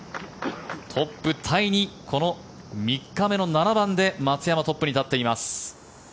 トップタイにこの３日目の７番で松山、トップに立っています。